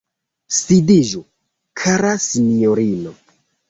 Sidiĝu, kara sinjorino.